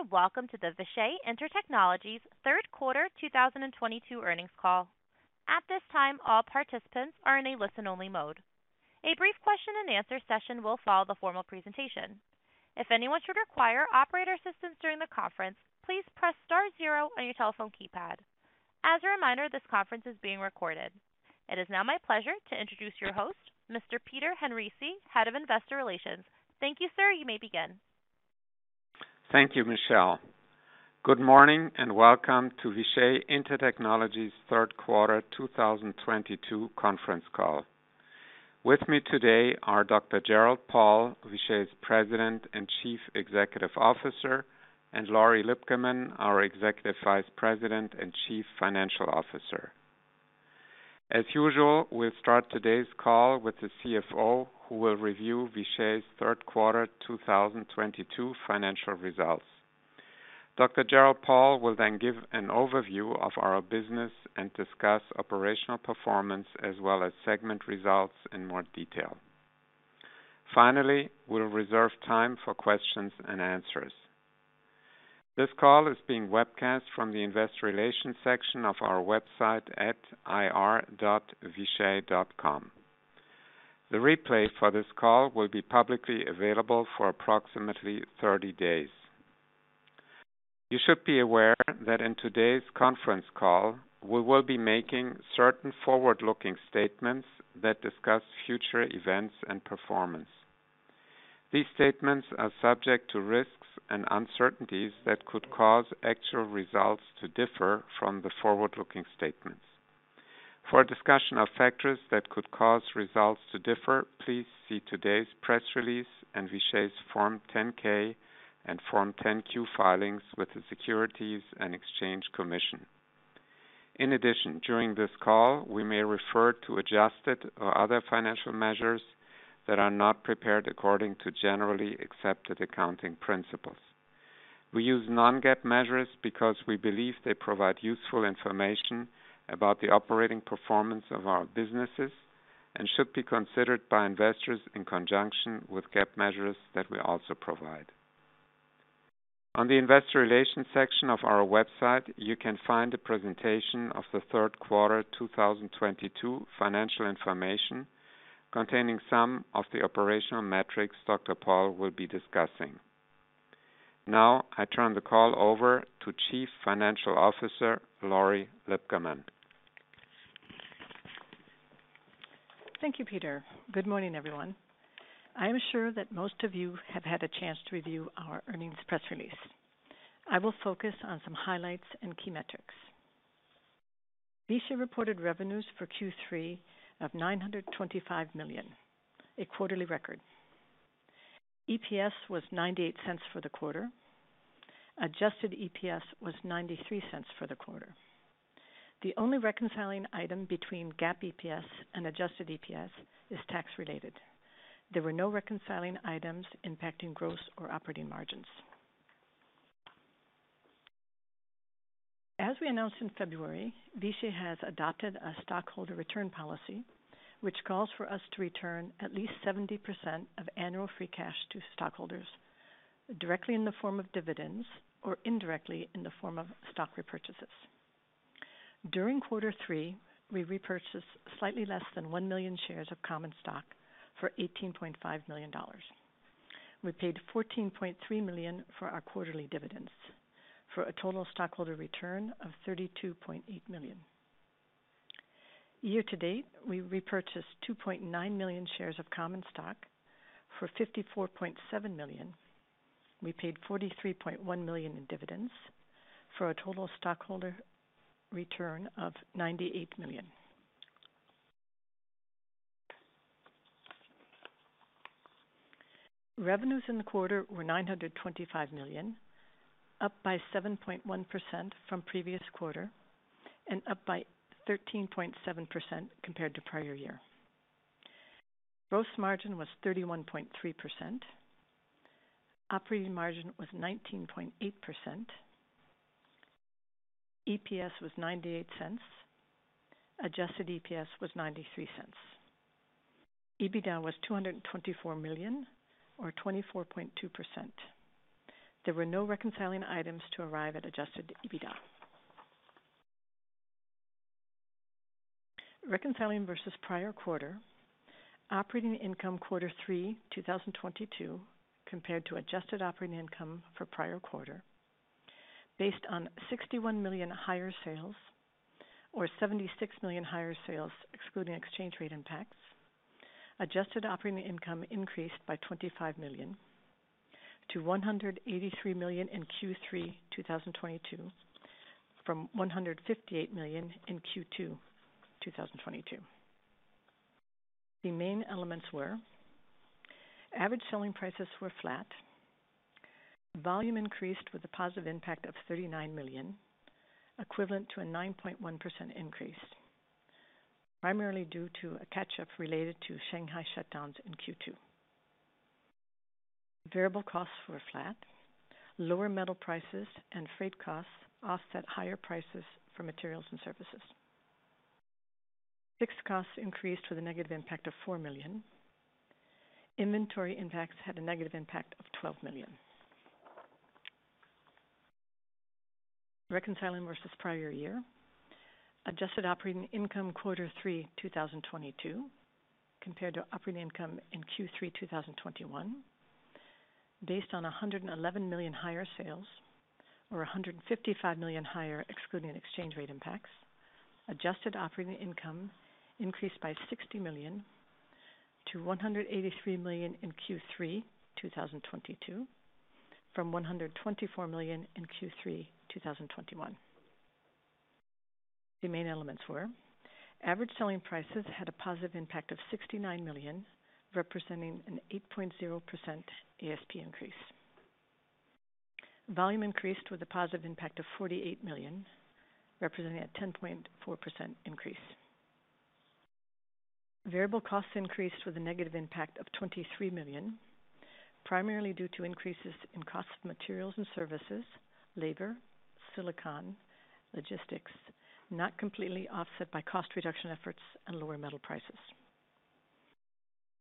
Greetings, and welcome to the Vishay Intertechnology's third quarter 2022 earnings call. At this time, all participants are in a listen-only mode. A brief question-and-answer session will follow the formal presentation. If anyone should require operator assistance during the conference, please press star zero on your telephone keypad. As a reminder, this conference is being recorded. It is now my pleasure to introduce your host, Mr. Peter Henrici, Head of Investor Relations. Thank you, sir. You may begin. Thank you, Michelle. Good morning, and welcome to Vishay Intertechnology's third quarter 2022 conference call. With me today are Dr. Gerald Paul, Vishay's President and Chief Executive Officer, and Lori Lipcaman, our Executive Vice President and Chief Financial Officer. As usual, we'll start today's call with the CFO, who will review Vishay's third quarter 2022 financial results. Dr. Gerald Paul will then give an overview of our business and discuss operational performance as well as segment results in more detail. Finally, we'll reserve time for questions and answers. This call is being webcast from the investor relations section of our website at ir.vishay.com. The replay for this call will be publicly available for approximately 30 days. You should be aware that in today's conference call, we will be making certain forward-looking statements that discuss future events and performance. These statements are subject to risks and uncertainties that could cause actual results to differ from the forward-looking statements. For a discussion of factors that could cause results to differ, please see today's press release and Vishay's Form 10-K and Form 10-Q filings with the Securities and Exchange Commission. In addition, during this call, we may refer to adjusted or other financial measures that are not prepared according to generally accepted accounting principles. We use non-GAAP measures because we believe they provide useful information about the operating performance of our businesses and should be considered by investors in conjunction with GAAP measures that we also provide. On the investor relations section of our website, you can find a presentation of the third quarter 2022 financial information containing some of the operational metrics Dr. Paul will be discussing. Now I turn the call over to Chief Financial Officer Lori Lipcaman. Thank you, Peter. Good morning, everyone. I am sure that most of you have had a chance to review our earnings press release. I will focus on some highlights and key metrics. Vishay reported revenues for Q3 of $925 million, a quarterly record. EPS was $0.98 for the quarter. Adjusted EPS was $0.93 for the quarter. The only reconciling item between GAAP EPS and adjusted EPS is tax-related. There were no reconciling items impacting gross or operating margins. As we announced in February, Vishay has adopted a stockholder return policy which calls for us to return at least 70% of annual free cash to stockholders directly in the form of dividends or indirectly in the form of stock repurchases. During quarter three, we repurchased slightly less than$1 million shares of common stock for $18.5 million. We paid $14.3 million for our quarterly dividends for a total stockholder return of $32.8 million. Year to date, we repurchased 2.9 million shares of common stock for $54.7 million. We paid $43.1 million in dividends for a total stockholder return of $98 million. Revenues in the quarter were $925 million, up by 7.1% from previous quarter and up by 13.7% compared to prior year. Gross margin was 31.3%. Operating margin was 19.8%. EPS was $0.98. Adjusted EPS was $0.93. EBITDA was $224 million or 24.2%. There were no reconciling items to arrive at adjusted EBITDA. Reconciling versus prior quarter. Operating income Q3 2022 compared to adjusted operating income for prior quarter based on $61 million higher sales or $76 million higher sales excluding exchange rate impacts. Adjusted operating income increased by $25 million to $183 million in Q3 2022 from $158 million in Q2 2022. The main elements were average selling prices were flat. Volume increased with a positive impact of $39 million, equivalent to a 9.1% increase, primarily due to a catch up related to Shanghai shutdowns in Q2. Variable costs were flat. Lower metal prices and freight costs offset higher prices for materials and services. Fixed costs increased with a negative impact of $4 million. Inventory impacts had a negative impact of $12 million. Reconciling versus prior year, adjusted operating income quarter three 2022 compared to operating income in Q3 2021 based on $111 million higher sales or $155 million higher excluding exchange rate impacts. Adjusted operating income increased by $60 million to $183 million in Q3 2022 from $124 million in Q3 2021. The main elements were average selling prices had a positive impact of $69 million, representing an 8.0% ASP increase. Volume increased with a positive impact of $48 million, representing a 10.4% increase. Variable costs increased with a negative impact of $23 million, primarily due to increases in cost of materials and services, labor, silicon, logistics, not completely offset by cost reduction efforts and lower metal prices.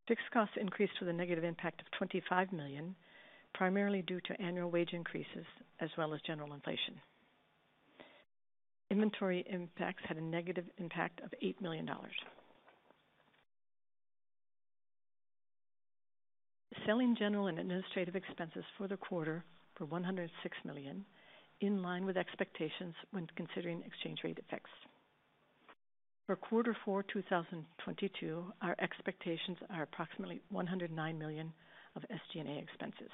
Fixed costs increased with a negative impact of $25 million, primarily due to annual wage increases as well as general inflation. Inventory impacts had a negative impact of $8 million. Selling, general and administrative expenses for the quarter were $106 million, in line with expectations when considering exchange rate effects. For quarter four 2022, our expectations are approximately $109 million of SG&A expenses.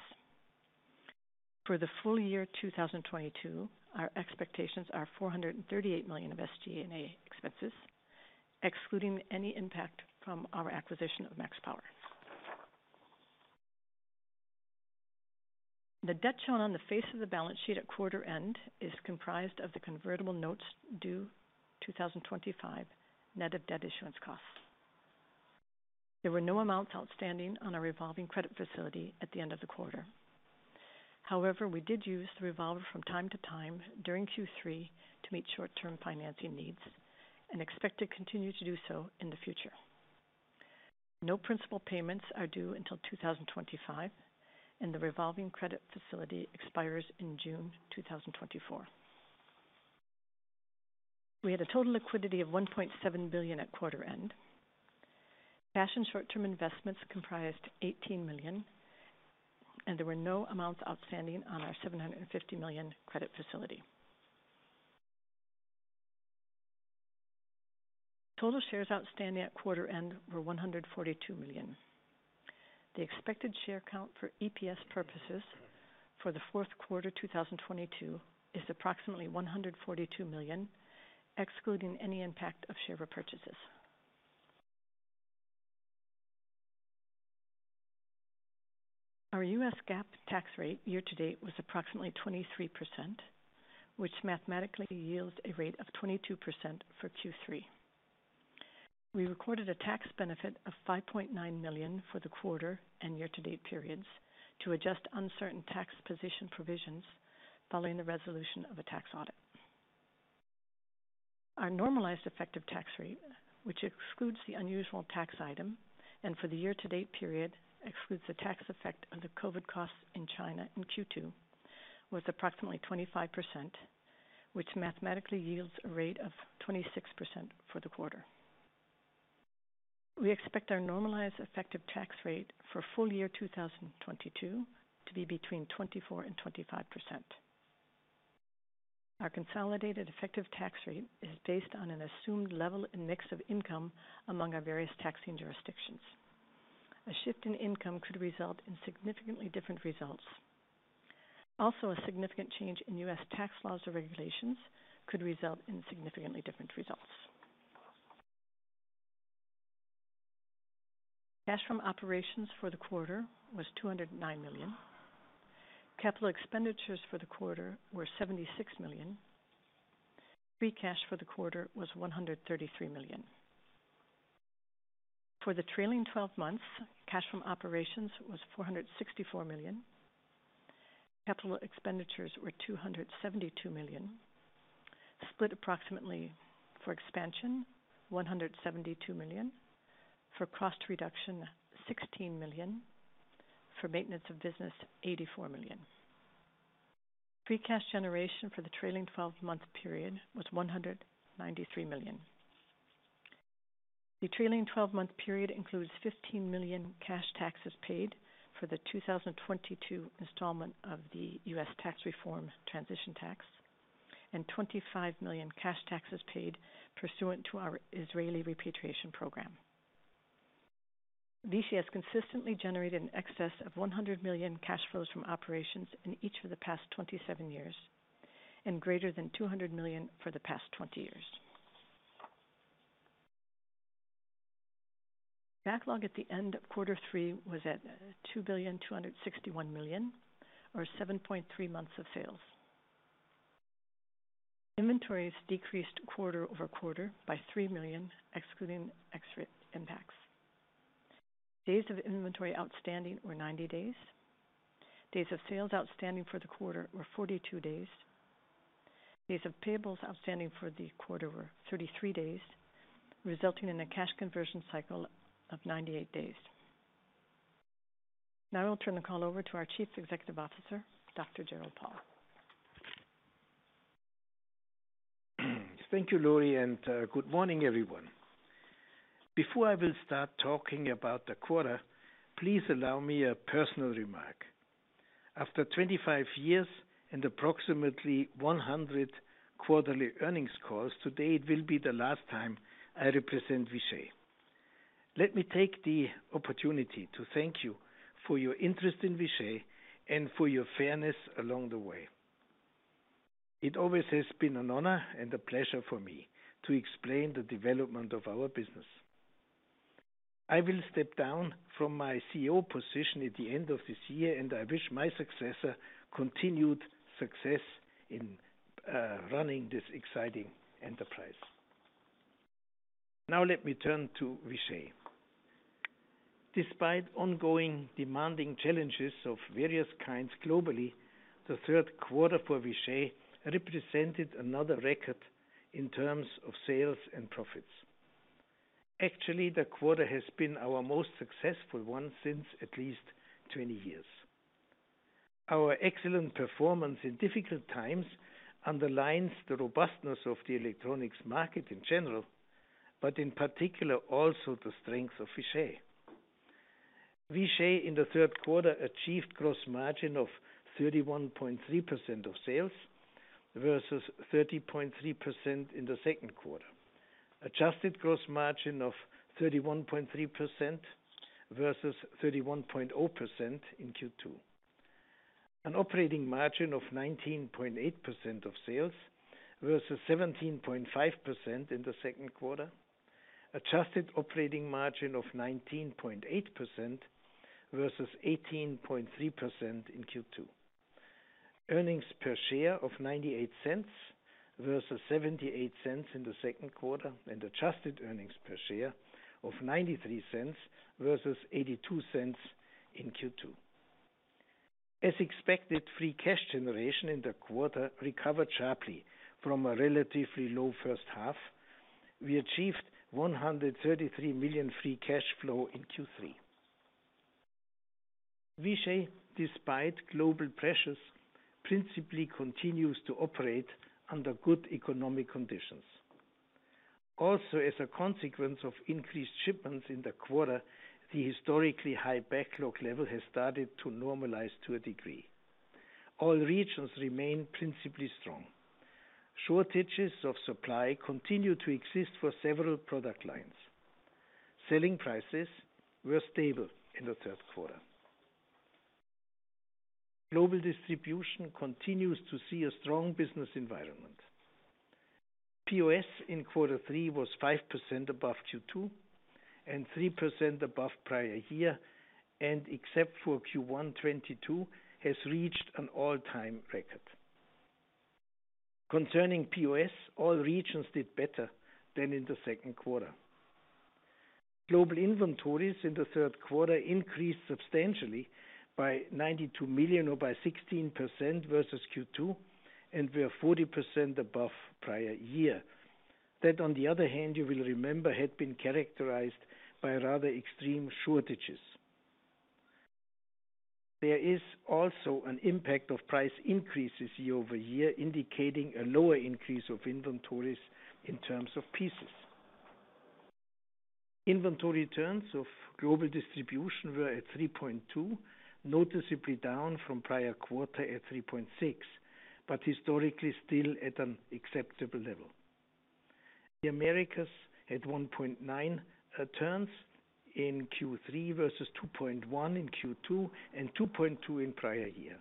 For the full year 2022, our expectations are $438 million of SG&A expenses, excluding any impact from our acquisition of MaxPower. The debt shown on the face of the balance sheet at quarter end is comprised of the convertible notes due 2025, net of debt issuance costs. There were no amounts outstanding on our revolving credit facility at the end of the quarter. However, we did use the revolver from time to time during Q3 to meet short-term financing needs and expect to continue to do so in the future. No principal payments are due until 2025, and the revolving credit facility expires in June 2024. We had a total liquidity of $1.7 billion at quarter end. Cash and short-term investments comprised $18 million and there were no amounts outstanding on our $750 million credit facility. Total shares outstanding at quarter end were 142 million. The expected share count for EPS purposes for the fourth quarter 2022 is approximately 142 million, excluding any impact of share repurchases. Our US GAAP tax rate year to date was approximately 23%, which mathematically yields a rate of 22% for Q3. We recorded a tax benefit of $5.9 million for the quarter and year to date periods to adjust uncertain tax position provisions following the resolution of a tax audit. Our normalized effective tax rate, which excludes the unusual tax item and for the year to date period excludes the tax effect of the COVID costs in China in Q2, was approximately 25%, which mathematically yields a rate of 26% for the quarter. We expect our normalized effective tax rate for full year 2022 to be between 24% and 25%. Our consolidated effective tax rate is based on an assumed level and mix of income among our various taxing jurisdictions. A shift in income could result in significantly different results. Also, a significant change in U.S. tax laws or regulations could result in significantly different results. Cash from operations for the quarter was $209 million. Capital expenditures for the quarter were $76 million. Free cash for the quarter was $133 million. For the trailing twelve months, cash from operations was $464 million. Capital expenditures were $272 million, split approximately for expansion $172 million, for cost reduction $16 million, for maintenance of business $84 million. Free cash generation for the trailing twelve-month period was $193 million. The trailing twelve-month period includes $15 million cash taxes paid for the 2022 installment of the U.S. Tax Reform Transition Tax and $25 million cash taxes paid pursuant to our Israeli repatriation program. Vishay has consistently generated an excess of $100 million cash flows from operations in each of the past 27 years and greater than $200 million for the past 20 years. Backlog at the end of quarter three was at $2.261 billion or 7.3 months of sales. Inventories decreased quarter-over-quarter by $3 million, excluding FX-rate impacts. Days of inventory outstanding were 90 days. Days of sales outstanding for the quarter were 42 days. Days of payables outstanding for the quarter were 33 days, resulting in a cash conversion cycle of 98 days. Now I'll turn the call over to our Chief Executive Officer, Dr. Gerald Paul. Thank you, Lori, and good morning, everyone. Before I will start talking about the quarter, please allow me a personal remark. After 25 years and approximately 100 quarterly earnings calls, today it will be the last time I represent Vishay. Let me take the opportunity to thank you for your interest in Vishay and for your fairness along the way. It always has been an honor and a pleasure for me to explain the development of our business. I will step down from my CEO position at the end of this year, and I wish my successor continued success in running this exciting enterprise. Now let me turn to Vishay. Despite ongoing demanding challenges of various kinds globally, the third quarter for Vishay represented another record in terms of sales and profits. Actually, the quarter has been our most successful one since at least 20 years. Our excellent performance in difficult times underlines the robustness of the electronics market in general, but in particular, also the strength of Vishay. Vishay, in the third quarter, achieved gross margin of 31.3% of sales versus 30.3% in the second quarter. Adjusted gross margin of 31.3% versus 31.2% in Q2. An operating margin of 19.8% of sales versus 17.5% in the second quarter. Adjusted operating margin of 19.8% versus 18.3% in Q2. Earnings per share of $0.98 versus $0.78 in the second quarter, and adjusted earnings per share of $0.93 versus $0.82 in Q2. As expected, free cash generation in the quarter recovered sharply from a relatively low first half. We achieved $133 million free cash flow in Q3. Vishay, despite global pressures, principally continues to operate under good economic conditions. As a consequence of increased shipments in the quarter, the historically high backlog level has started to normalize to a degree. All regions remain principally strong. Shortages of supply continue to exist for several product lines. Selling prices were stable in the third quarter. Global distribution continues to see a strong business environment. POS in quarter three was 5% above Q2 and 3% above prior year, and except for Q1 2022 has reached an all-time record. Concerning POS, all regions did better than in the second quarter. Global inventories in the third quarter increased substantially by $92 million or by 16% versus Q2 and were 40% above prior year. That, on the other hand, you will remember, had been characterized by rather extreme shortages. There is also an impact of price increases year over year, indicating a lower increase of inventories in terms of pieces. Inventory turns of global distribution were at 3.2, noticeably down from prior quarter at 3.6, but historically still at an acceptable level. The Americas had 1.9 turns in Q3 versus 2.1 in Q2 and 2.2 in prior year.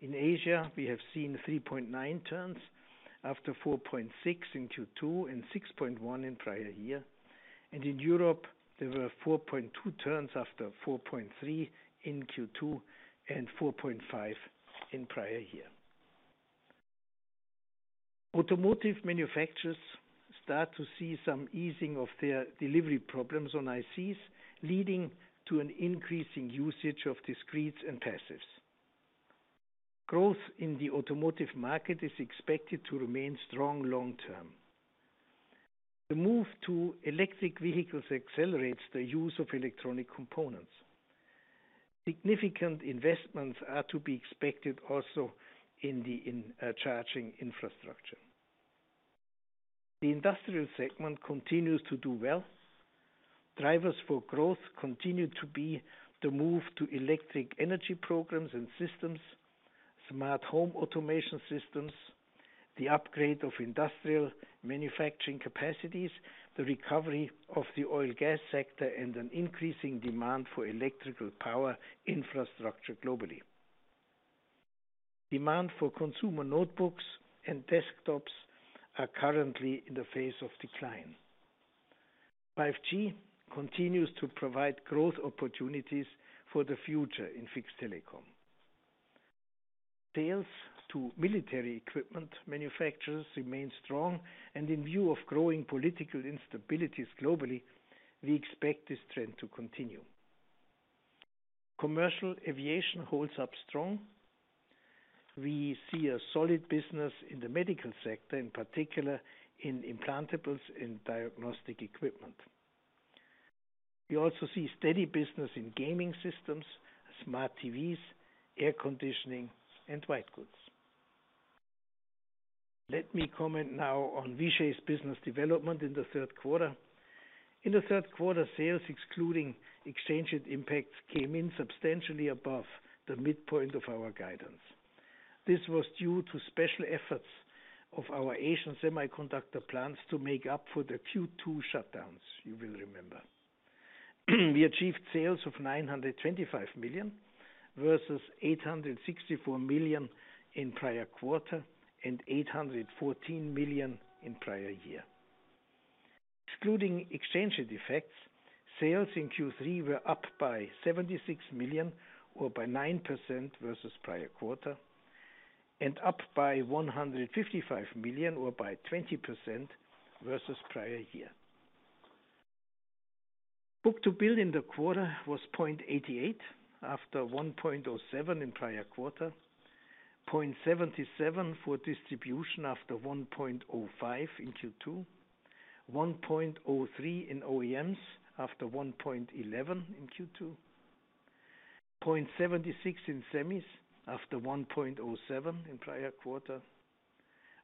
In Asia, we have seen 3.9 turns after 4.6 in Q2 and 6.1 in prior year. In Europe, there were 4.2 turns after 4.3 in Q2 and 4.5 in prior year. Automotive manufacturers start to see some easing of their delivery problems on ICs, leading to an increase in usage of discretes and passives. Growth in the automotive market is expected to remain strong long term. The move to electric vehicles accelerates the use of electronic components. Significant investments are to be expected also in the charging infrastructure. The industrial segment continues to do well. Drivers for growth continue to be the move to electric energy programs and systems, smart home automation systems, the upgrade of industrial manufacturing capacities, the recovery of the oil and gas sector, and an increasing demand for electrical power infrastructure globally. Demand for consumer notebooks and desktops are currently in the face of decline. 5G continues to provide growth opportunities for the future in fixed telecom. Sales to military equipment manufacturers remain strong and in view of growing political instabilities globally, we expect this trend to continue. Commercial aviation holds up strong. We see a solid business in the medical sector, in particular in implantables and diagnostic equipment. We also see steady business in gaming systems, smart TVs, air conditioning and white goods. Let me comment now on Vishay's business development in the third quarter. In the third quarter, sales excluding exchange rate impacts came in substantially above the midpoint of our guidance. This was due to special efforts of our Asian semiconductor plants to make up for the Q2 shutdowns, you will remember. We achieved sales of $925 million, versus $864 million in prior quarter and $814 million in prior year. Excluding exchange rate effects, sales in Q3 were up by $76 million or by 9% versus prior quarter, and up by $155 million or by 20% versus prior year. Book-to-bill in the quarter was 0.88 after 1.07 in prior quarter. 0.77 for distribution after 1.05 in Q2. 1.03 in OEMs after 1.11 in Q2. 0.76 in semis after 1.07 in prior quarter.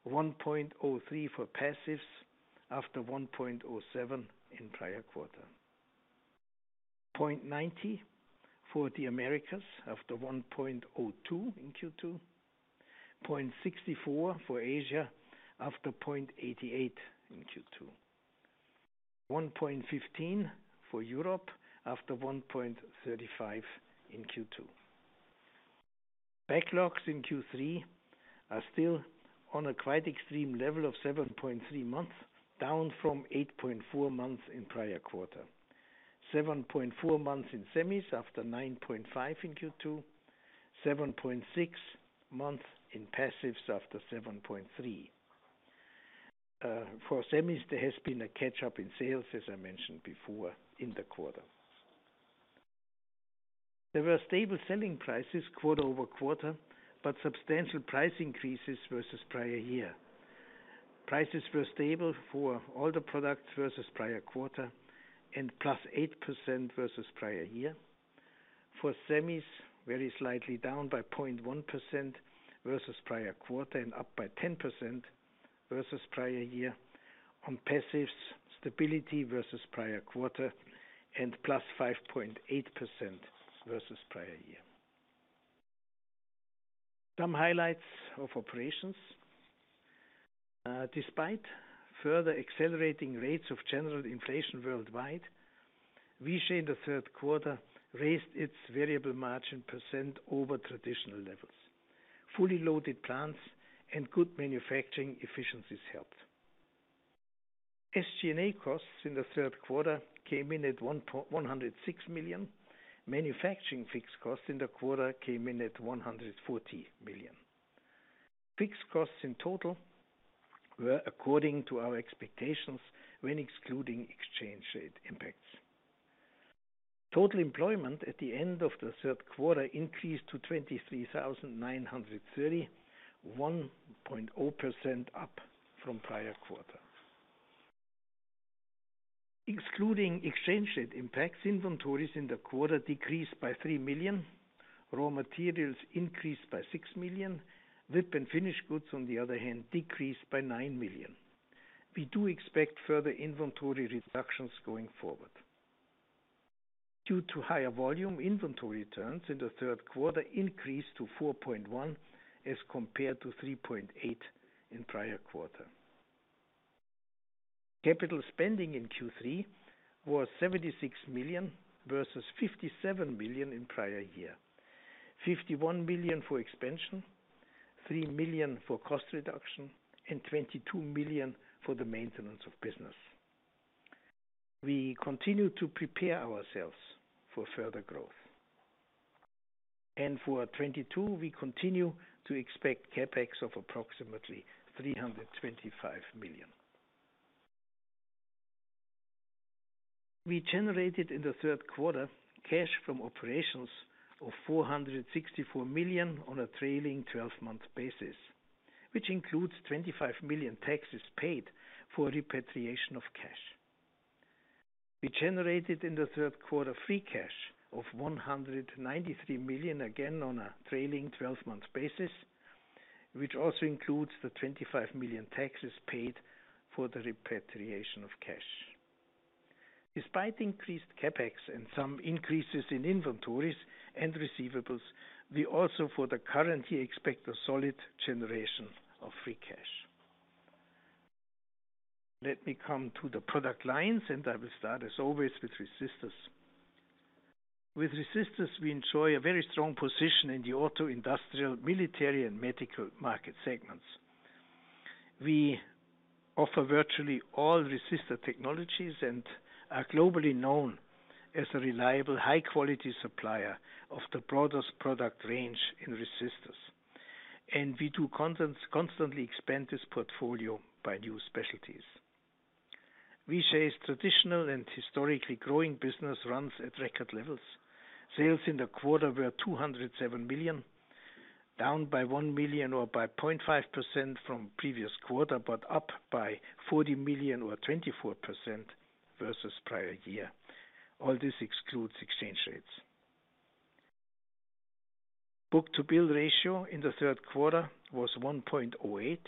1.03 for passives after 1.07 in prior quarter. 0.90 for the Americas after 1.02 in Q2. 0.64 for Asia after 0.88 in Q2. 1.15 for Europe after 1.35 in Q2. Backlogs in Q3 are still on a quite extreme level of 7.3 months, down from 8.4 months in prior quarter. 7.4 months in semis after 9.5 in Q2. 7.6 months in passives after 7.3. For semis, there has been a catch-up in sales, as I mentioned before in the quarter. There were stable selling prices quarter-over-quarter, but substantial price increases versus prior year. Prices were stable for all the products versus prior quarter and +8% versus prior year. For semis, very slightly down by 0.1% versus prior quarter and up by 10% versus prior year. On passives, stability versus prior quarter and +5.8% versus prior year. Some highlights of operations. Despite further accelerating rates of general inflation worldwide, Vishay in the third quarter raised its variable margin % over traditional levels. Fully loaded plants and good manufacturing efficiencies helped. SG&A costs in the third quarter came in at $106 million. Manufacturing fixed costs in the quarter came in at $140 million. Fixed costs in total were according to our expectations when excluding exchange rate impacts. Total employment at the end of the third quarter increased to 23,930, 1.0% up from prior quarter. Excluding exchange rate impacts, inventories in the quarter decreased by $3 million. Raw materials increased by $6 million. WIP and finished goods, on the other hand, decreased by $9 million. We do expect further inventory reductions going forward. Due to higher volume, inventory turns in the third quarter increased to 4.1 as compared to 3.8 in prior quarter. Capital spending in Q3 was $76 million versus $57 million in prior year. $51 million for expansion, $3 million for cost reduction, and $22 million for the maintenance of business. We continue to prepare ourselves for further growth. For 2022, we continue to expect CapEx of approximately $325 million. We generated in the third quarter cash from operations of $464 million on a trailing twelve-month basis, which includes $25 million taxes paid for repatriation of cash. We generated in the third quarter free cash of $193 million, again on a trailing twelve-month basis, which also includes the $25 million taxes paid for the repatriation of cash. Despite increased CapEx and some increases in inventories and receivables, we currently expect a solid generation of free cash. Let me come to the product lines, and I will start as always with resistors. With resistors, we enjoy a very strong position in the auto, industrial, military, and medical market segments. We offer virtually all resistor technologies and are globally known as a reliable, high quality supplier of the broadest product range in resistors. We constantly expand this portfolio by new specialties. Vishay's traditional and historically growing business runs at record levels. Sales in the quarter were $207 million, down by $1 million or by 0.5% from previous quarter, but up by $40 million or 24% versus prior year. All this excludes exchange rates. Book-to-bill ratio in the third quarter was 1.08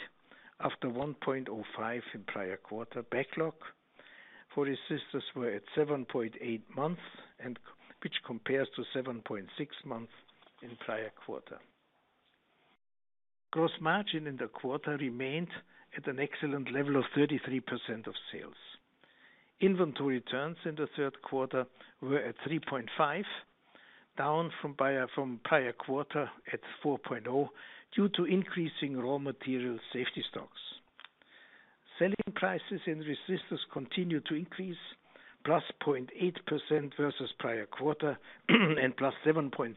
after 1.05 in prior quarter. Backlog for resistors were at 7.8 months, which compares to 7.6 months in prior quarter. Gross margin in the quarter remained at an excellent level of 33% of sales. Inventory turns in the third quarter were at 3.5, down from prior quarter at 4.0, due to increasing raw material safety stocks. Selling prices in resistors continued to increase +0.8% versus prior quarter and +7.7%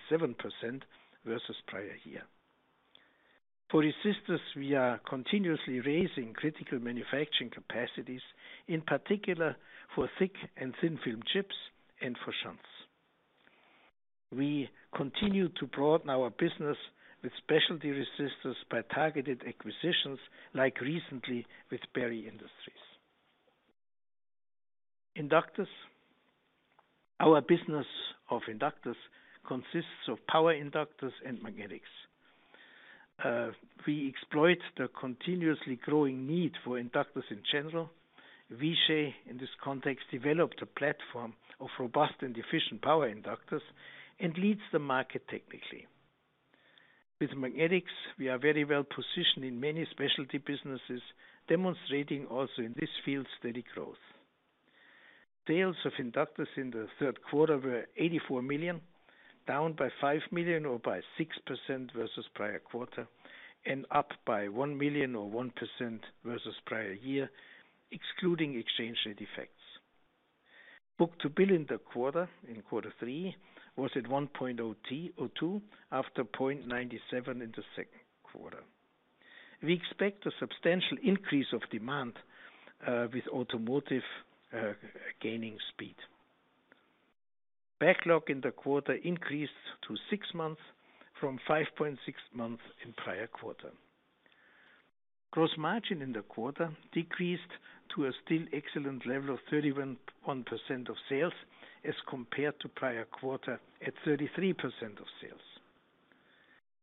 versus prior year. For resistors, we are continuously raising critical manufacturing capacities, in particular for thick and thin film chips and for shunts. We continue to broaden our business with specialty resistors by targeted acquisitions like recently with Barry Industries. Inductors. Our business of inductors consists of power inductors and magnetics. We exploit the continuously growing need for inductors in general. Vishay, in this context, developed a platform of robust and efficient power inductors and leads the market technically. With magnetics, we are very well positioned in many specialty businesses, demonstrating also in this field steady growth. Sales of inductors in the third quarter were $84 million, down by $5 million or by 6% versus prior quarter, and up by $1 million or 1% versus prior year, excluding exchange rate effects. Book-to-bill in the quarter, in quarter three, was at 1.02 from 0.97 in the second quarter. We expect a substantial increase of demand with automotive gaining speed. Backlog in the quarter increased to six months from 5.6 months in prior quarter. Gross margin in the quarter decreased to a still excellent level of 31.1% of sales as compared to prior quarter at 33% of sales.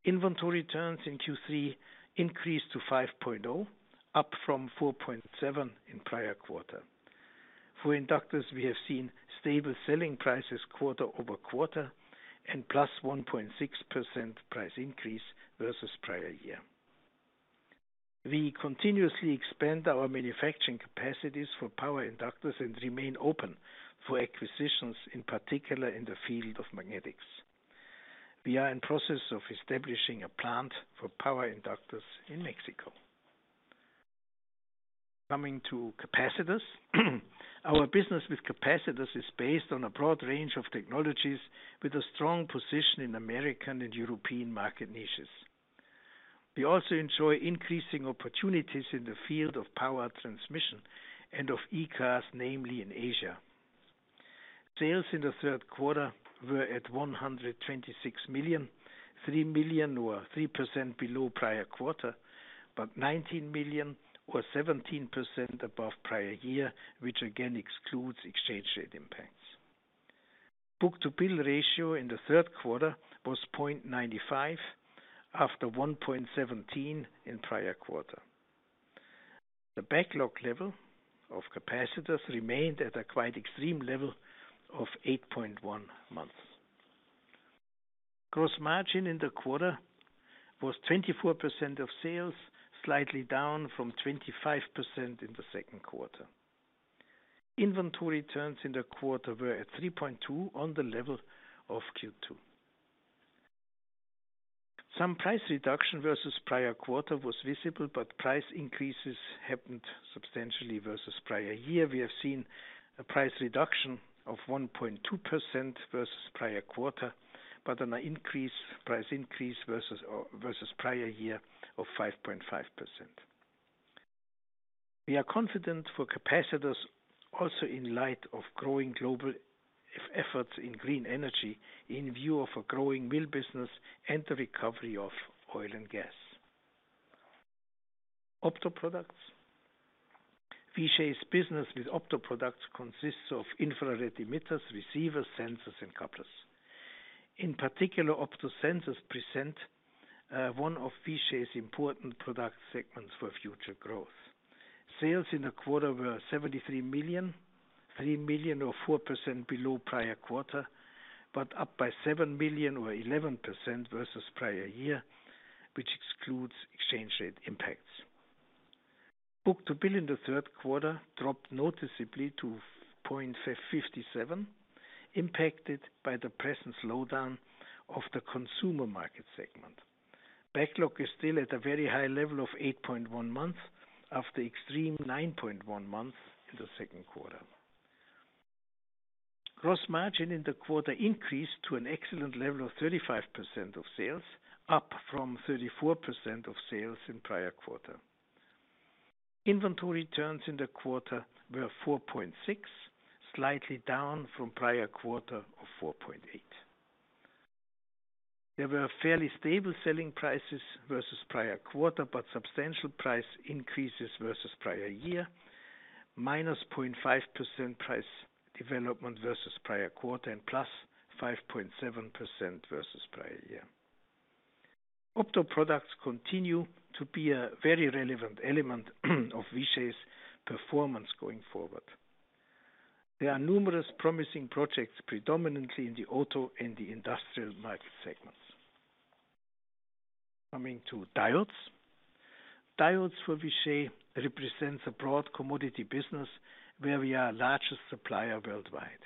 Inventory turns in Q3 increased to 5.0, up from 4.7 in prior quarter. For inductors, we have seen stable selling prices quarter-over-quarter and +1.6% price increase versus prior year. We continuously expand our manufacturing capacities for power inductors and remain open for acquisitions, in particular in the field of magnetics. We are in process of establishing a plant for power inductors in Mexico. Coming to capacitors. Our business with capacitors is based on a broad range of technologies with a strong position in American and European market niches. We also enjoy increasing opportunities in the field of power transmission and of e-cars, namely in Asia. Sales in the third quarter were at $126 million, $3 million or 3% below prior quarter, but $19 million or 17% above prior year, which again excludes exchange rate impacts. book-to-bill ratio in the third quarter was 0.95 after 1.17 in prior quarter. The backlog level of capacitors remained at a quite extreme level of 8.1 months. Gross margin in the quarter was 24% of sales, slightly down from 25% in the second quarter. Inventory turns in the quarter were at 3.2 on the level of Q2. Some price reduction versus prior quarter was visible, but price increases happened substantially versus prior year. We have seen a price reduction of 1.2% versus prior quarter, but a price increase versus prior year of 5.5%. We are confident for capacitors also in light of growing global efforts in green energy in view of a growing mill business and the recovery of oil and gas. Opto products. Vishay's business with opto products consists of infrared emitters, receivers, sensors, and couplers. In particular, opto sensors represent one of Vishay's important product segments for future growth. Sales in the quarter were $73 million, $3 million or 4% below prior quarter, but up by $7 million or 11% versus prior year, which excludes exchange rate impacts. Book-to-bill in the third quarter dropped noticeably to 0.57. Impacted by the present slowdown of the consumer market segment. Backlog is still at a very high level of 8.1 months after extreme 9.1 months in the second quarter. Gross margin in the quarter increased to an excellent level of 35% of sales, up from 34% of sales in prior quarter. Inventory turns in the quarter were 4.6, slightly down from prior quarter of 4.8. There were fairly stable selling prices versus prior quarter, but substantial price increases versus prior year, -0.5% price development versus prior quarter and +5.7% versus prior year. Opto products continue to be a very relevant element of Vishay's performance going forward. There are numerous promising projects, predominantly in the auto and the industrial market segments. Coming to diodes. Diodes for Vishay represents a broad commodity business where we are largest supplier worldwide.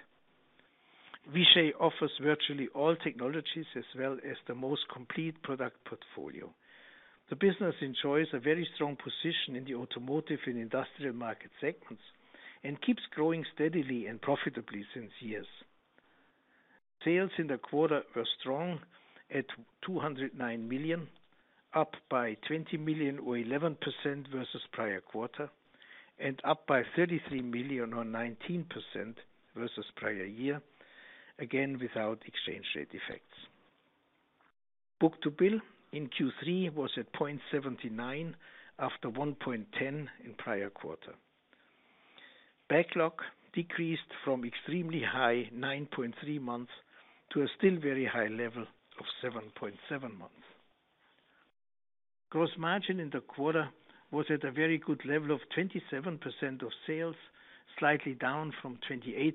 Vishay offers virtually all technologies as well as the most complete product portfolio. The business enjoys a very strong position in the automotive and industrial market segments, and keeps growing steadily and profitably for years. Sales in the quarter were strong at $209 million, up by $20 million or 11% versus prior quarter, and up by $33 million or 19% versus prior year, again without exchange rate effects. Book-to-bill in Q3 was at 0.79 after 1.10 in prior quarter. Backlog decreased from extremely high 9.3 months to a still very high level of 7.7 months. Gross margin in the quarter was at a very good level of 27% of sales, slightly down from 28%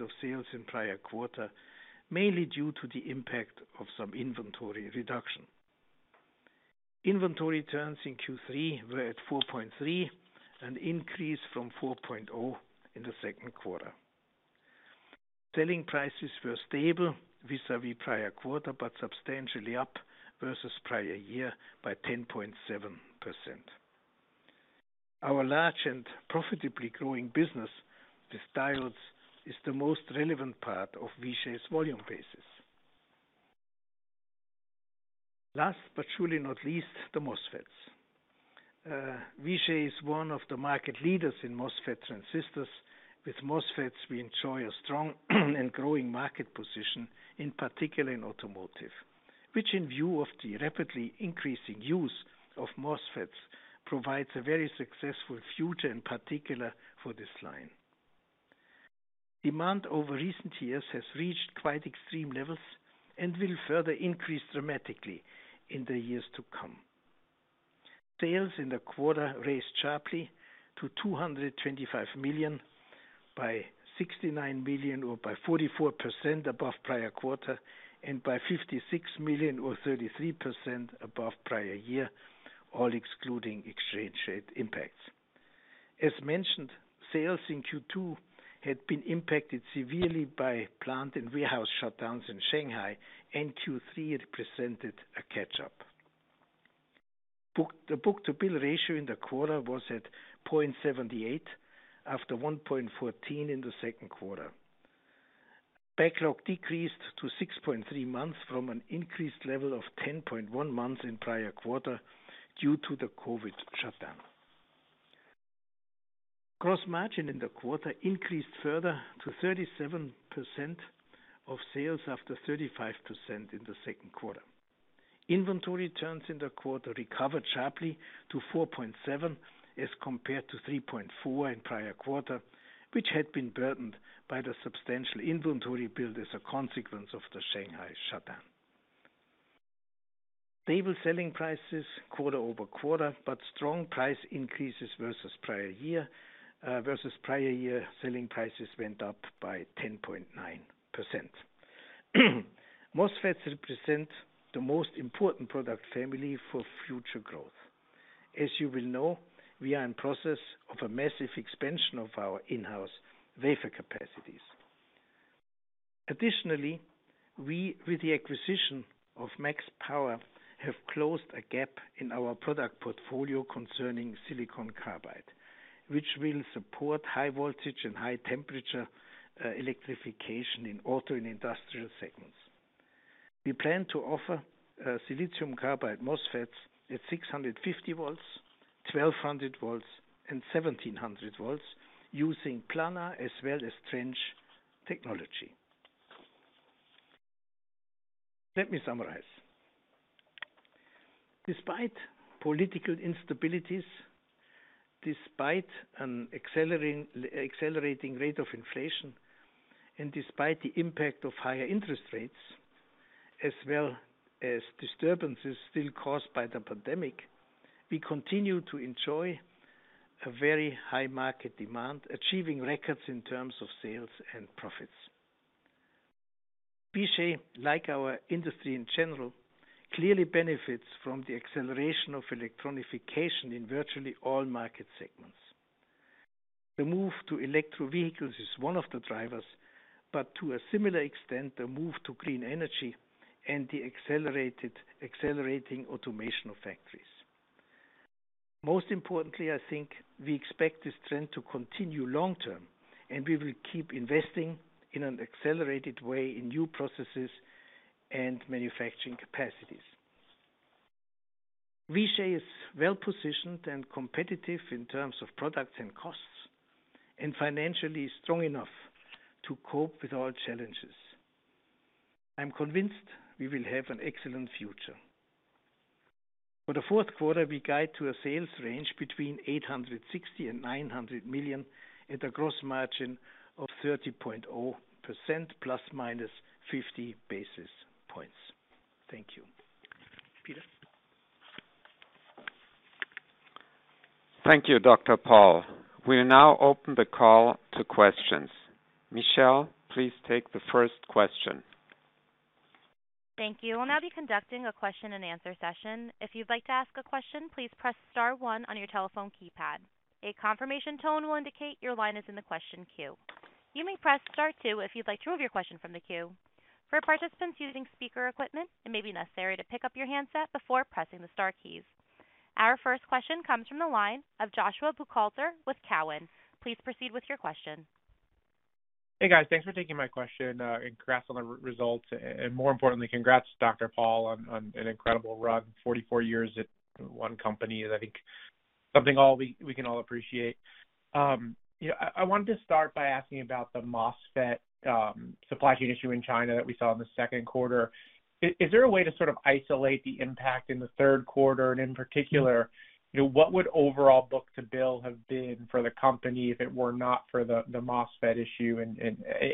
of sales in prior quarter, mainly due to the impact of some inventory reduction. Inventory turns in Q3 were at 4.3, an increase from 4.0 in the second quarter. Selling prices were stable vis-à-vis prior quarter, but substantially up versus prior year by 10.7%. Our large and profitably growing business with diodes is the most relevant part of Vishay's volume basis. Last but surely not least, the MOSFETs. Vishay is one of the market leaders in MOSFET transistors. With MOSFETs we enjoy a strong and growing market position, in particular in automotive, which in view of the rapidly increasing use of MOSFETs, provides a very successful future, in particular for this line. Demand over recent years has reached quite extreme levels and will further increase dramatically in the years to come. Sales in the quarter rose sharply to $225 million by $69 million or by 44% above prior quarter, and by $56 million or 33% above prior year, all excluding exchange rate impacts. As mentioned, sales in Q2 had been impacted severely by plant and warehouse shutdowns in Shanghai, and Q3, it presented a catch-up. The book-to-bill ratio in the quarter was at 0.78 after 1.14 in the second quarter. Backlog decreased to 6.3 months from an increased level of 10.1 months in prior quarter due to the COVID shutdown. Gross margin in the quarter increased further to 37% of sales after 35% in the second quarter. Inventory turns in the quarter recovered sharply to 4.7 as compared to 3.4 in prior quarter, which had been burdened by the substantial inventory build as a consequence of the Shanghai shutdown. Stable selling prices quarter over quarter, but strong price increases versus prior year. Versus prior year, selling prices went up by 10.9%. MOSFETs represent the most important product family for future growth. As you will know, we are in process of a massive expansion of our in-house wafer capacities. Additionally, we, with the acquisition of MaxPower, have closed a gap in our product portfolio concerning silicon carbide, which will support high voltage and high temperature, electrification in auto and industrial segments. We plan to offer silicon carbide MOSFETs at 650 volts, 1,200 volts, and 1,700 volts using planar as well as trench technology. Let me summarize. Despite political instabilities, despite an accelerating rate of inflation, and despite the impact of higher interest rates, as well as disturbances still caused by the pandemic, we continue to enjoy a very high market demand, achieving records in terms of sales and profits. Vishay, like our industry in general, clearly benefits from the acceleration of electronification in virtually all market segments. The move to electric vehicles is one of the drivers, but to a similar extent, the move to clean energy and the accelerated, accelerating automation of factories. Most importantly, I think we expect this trend to continue long term, and we will keep investing in an accelerated way in new processes and manufacturing capacities. Vishay is well-positioned and competitive in terms of products and costs, and financially strong enough to cope with all challenges. I'm convinced we will have an excellent future. For the fourth quarter, we guide to a sales range between $860 million and $900 million, and a gross margin of 30.0% ±50 basis points. Thank you. Peter? Thank you, Dr. Paul. We'll now open the call to questions. Michelle, please take the first question. Thank you. We'll now be conducting a question and answer session. If you'd like to ask a question, please press star one on your telephone keypad. A confirmation tone will indicate your line is in the question queue. You may press star two if you'd like to remove your question from the queue. For participants using speaker equipment, it may be necessary to pick up your handset before pressing the star keys. Our first question comes from the line of Joshua Buchalter with Cowen. Please proceed with your question. Hey, guys. Thanks for taking my question. Congrats on the results, and more importantly, congrats, Dr. Paul, on an incredible run. 44 years at one company is, I think, something we can all appreciate. Yeah, I wanted to start by asking about the MOSFET supply chain issue in China that we saw in the second quarter. Is there a way to sort of isolate the impact in the third quarter? And in particular, you know, what would overall book-to-bill have been for the company if it were not for the MOSFET issue? And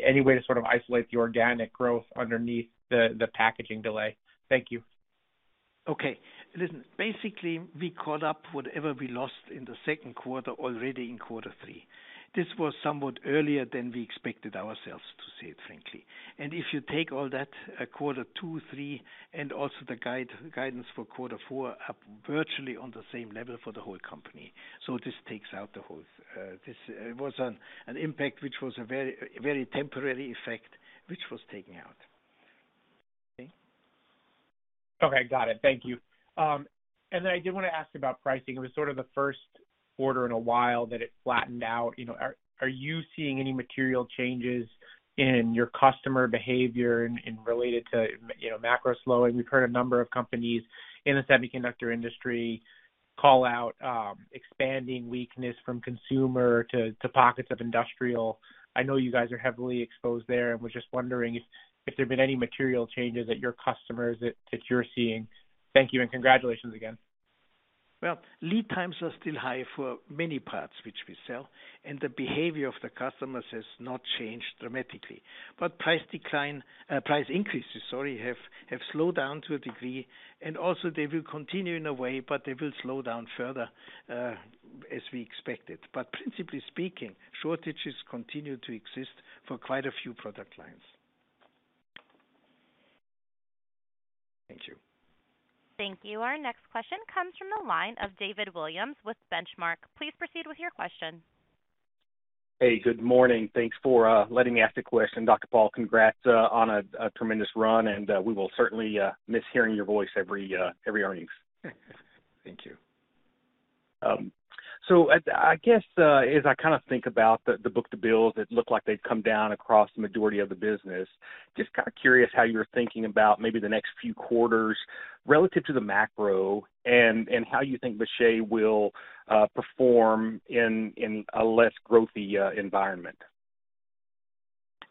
any way to sort of isolate the organic growth underneath the packaging delay? Thank you. Okay. Listen, basically, we caught up whatever we lost in the second quarter already in quarter three. This was somewhat earlier than we expected ourselves, to say it frankly. If you take all that, quarter two, three, and also the guidance for quarter four, up virtually on the same level for the whole company. This takes out the whole. This was an impact which was a very, very temporary effect, which was taken out. Okay. Okay, got it. Thank you. I did wanna ask about pricing. It was sort of the first quarter in a while that it flattened out. You know, are you seeing any material changes in your customer behavior in related to, you know, macro slowing? We've heard a number of companies in the semiconductor industry call out expanding weakness from consumer to pockets of industrial. I know you guys are heavily exposed there. I was just wondering if there'd been any material changes at your customers that you're seeing. Thank you, and congratulations again. Well, lead times are still high for many parts which we sell, and the behavior of the customers has not changed dramatically. Price increases, sorry, have slowed down to a degree, and also they will continue in a way, but they will slow down further, as we expected. Principally speaking, shortages continue to exist for quite a few product lines. Thank you. Thank you. Our next question comes from the line of David Williams with Benchmark. Please proceed with your question. Hey, good morning. Thanks for letting me ask a question. Dr. Paul, congrats on a tremendous run, and we will certainly miss hearing your voice every earnings. Thank you. I guess, as I kinda think about the book-to-bills, it looked like they've come down across the majority of the business. Just kinda curious how you're thinking about maybe the next few quarters relative to the macro and how you think Vishay will perform in a less growthy environment.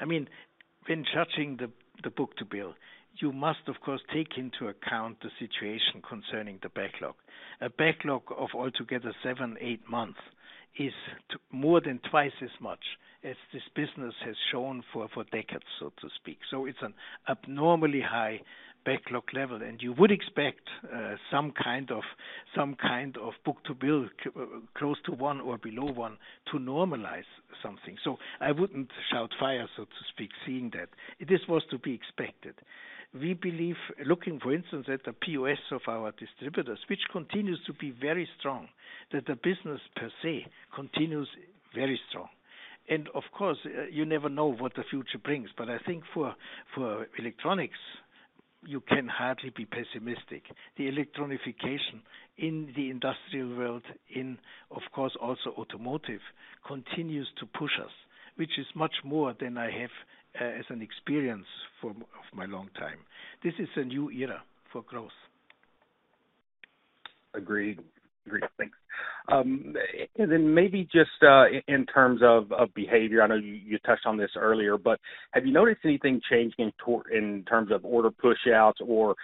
I mean, when judging the book-to-bill, you must, of course, take into account the situation concerning the backlog. A backlog of altogether seven-eight months is more than twice as much as this business has shown for decades, so to speak. So it's an abnormally high backlog level, and you would expect some kind of book-to-bill close to one or below one to normalize something. So I wouldn't shout fire, so to speak, seeing that. This was to be expected. We believe looking, for instance, at the POS of our distributors, which continues to be very strong, that the business per se continues very strong. Of course, you never know what the future brings, but I think for electronics, you can hardly be pessimistic. The electrification in the industrial world, of course, also automotive, continues to push us, which is much more than I have as an experience for most of my long time. This is a new era for growth. Agreed. Thanks. Maybe just in terms of behavior, I know you touched on this earlier, but have you noticed anything changing in terms of order push outs or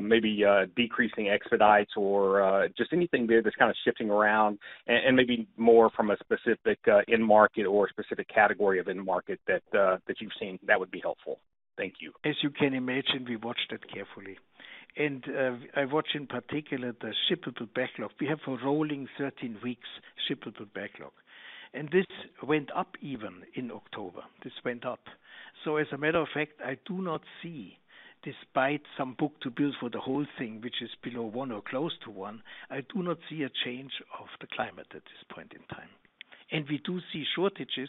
maybe decreasing expedites or just anything there that's kind of shifting around and maybe more from a specific end market or specific category of end market that that you've seen that would be helpful. Thank you. As you can imagine, we watch that carefully. I watch in particular the shippable backlog. We have a rolling 13 weeks shippable backlog. This went up even in October. This went up. As a matter of fact, I do not see, despite some book-to-bill for the whole thing, which is below one or close to one, I do not see a change of the climate at this point in time. We do see shortages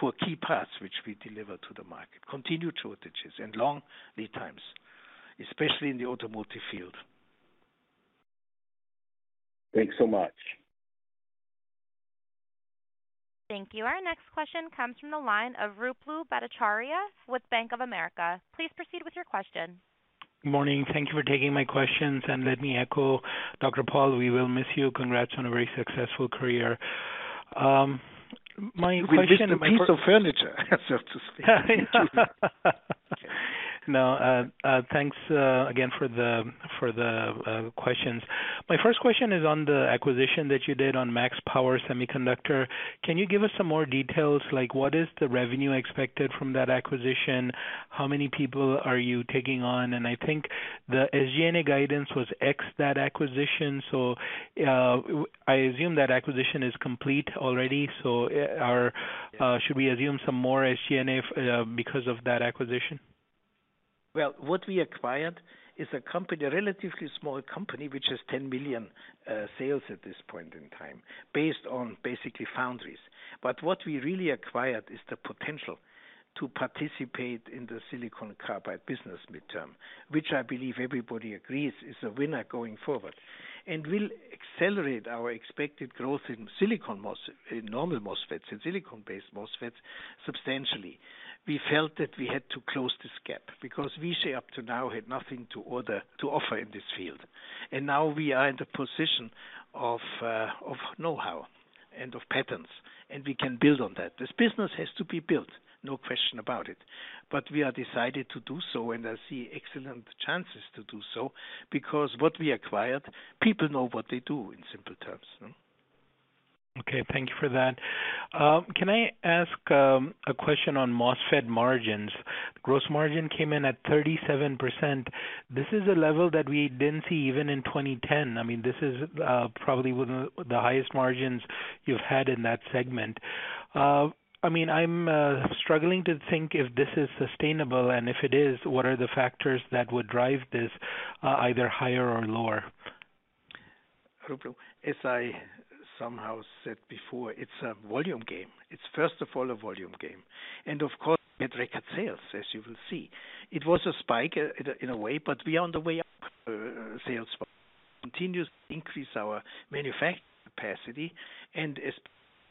for key parts which we deliver to the market, continued shortages and long lead times, especially in the automotive field. Thanks so much. Thank you. Our next question comes from the line of Ruplu Bhattacharya with Bank of America. Please proceed with your question. Morning. Thank you for taking my questions. Let me echo Dr. Gerald Paul, we will miss you. Congrats on a very successful career. My question. We're just a piece of furniture, so to speak. No. Thanks, again for the questions. My first question is on the acquisition that you did of MaxPower Semiconductor. Can you give us some more details like what is the revenue expected from that acquisition? How many people are you taking on? And I think the SG&A guidance was ex that acquisition. I assume that acquisition is complete already. Should we assume some more SG&A for that acquisition? Well, what we acquired is a company, a relatively small company, which has $10 million sales at this point in time, based on basically foundries. What we really acquired is the potential to participate in the silicon carbide business midterm, which I believe everybody agrees is a winner going forward. Will accelerate our expected growth in silicon MOSFET, in normal MOSFET and silicon-based MOSFET substantially. We felt that we had to close this gap because Vishay up to now had nothing to offer in this field. Now we are in the position of know-how and of patents, and we can build on that. This business has to be built, no question about it. We are decided to do so, and I see excellent chances to do so because what we acquired, people know what they do in simple terms. Okay. Thank you for that. Can I ask a question on MOSFET margins? Gross margin came in at 37%. This is a level that we didn't see even in 2010. I mean, this is probably one of the highest margins you've had in that segment. I mean, I'm struggling to think if this is sustainable, and if it is, what are the factors that would drive this either higher or lower? Ruplu, as I somehow said before, it's a volume game. It's first of all a volume game. Of course, we had record sales, as you will see. It was a spike in a way, but we are on the way up. We continuously increase our manufacturing capacity. As they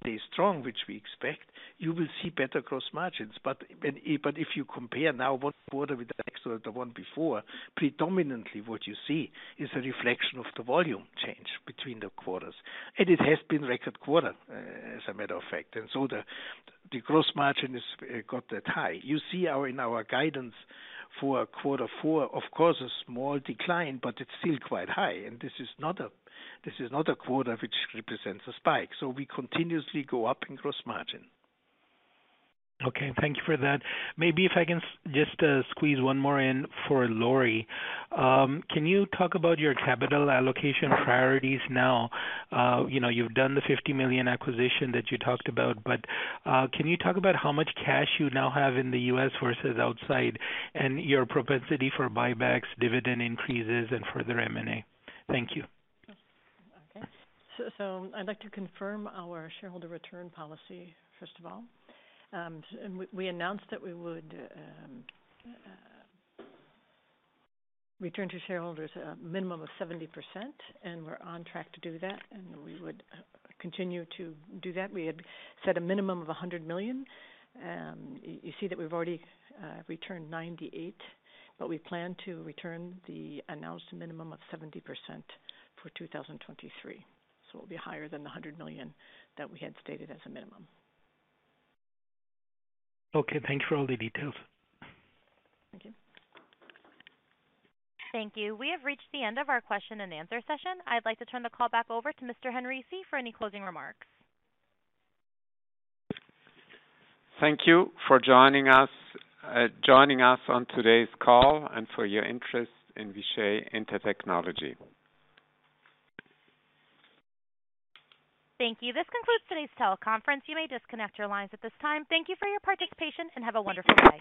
stay strong, which we expect, you will see better gross margins. But if you compare this quarter with the next or the one before, predominantly what you see is a reflection of the volume change between the quarters. It has been a record quarter, as a matter of fact. The gross margin has got that high. You see, in our guidance for quarter four, of course, a small decline, but it's still quite high. This is not a quarter which represents a spike. We continuously go up in gross margin. Okay, thank you for that. Maybe if I can just squeeze one more in for Lori. Can you talk about your capital allocation priorities now? You know, you've done the $50 million acquisition that you talked about, but can you talk about how much cash you now have in the U.S. versus outside and your propensity for buybacks, dividend increases and further M&A? Thank you. Okay. I'd like to confirm our shareholder return policy, first of all. We announced that we would return to shareholders a minimum of 70%, and we're on track to do that, and we would continue to do that. We had set a minimum of $100 million. You see that we've already returned $98 million, but we plan to return the announced minimum of 70% for 2023. It'll be higher than the $100 million that we had stated as a minimum. Okay, thanks for all the details. Thank you. Thank you. We have reached the end of our question and answer session. I'd like to turn the call back over to Mr. Henrici for any closing remarks. Thank you for joining us on today's call and for your interest in Vishay Intertechnology. Thank you. This concludes today's teleconference. You may disconnect your lines at this time. Thank you for your participation and have a wonderful day.